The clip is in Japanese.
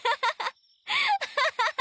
ハハハハ！